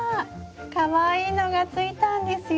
かわいいのがついたんですよ。